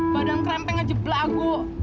badan kerempeng aja belakang